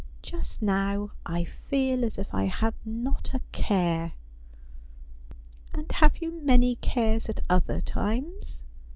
Just now I feel as if I had not a care.' 'And have you many cares at other times?'